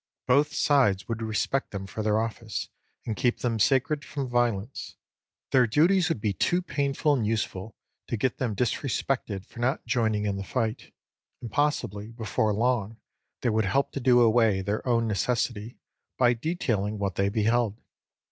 Both sides would respect them for their office, and keep them sacred from violence. Their duties would be too painful and useful to get them disrespected for not joining in the fight and possibly, before long, they would help to do away their own necessity, by detailing what they beheld.